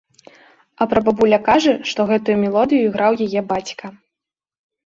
А прабабуля кажа, што гэтую мелодыю граў яе бацька.